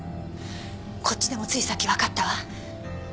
こっちでもついさっきわかったわ。